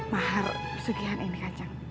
mahar pesugihan ini kanjeng